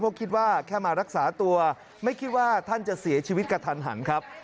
เพราะคิดว่าแค่มารักษาตัวไม่คิดว่าท่านจะเสียชีวิตกระทันหันครับ